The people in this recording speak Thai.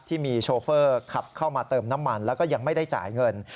ที่มีโชเฟอร์ขับเข้ามาเติมน้ำมันแล้วก็ยังไม่ได้จ่ายเงิน